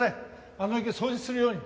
あの池掃除するように。